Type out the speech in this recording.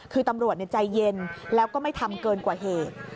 คือตำรวจใจเย็นแล้วก็ไม่ทำเกินกว่าเหตุ